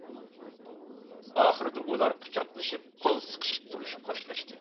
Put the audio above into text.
ئاخىرىدا ئۇلار قۇچاقلىشىپ ۋە قول سىقىشىپ تۇرۇپ خوشلاشتى.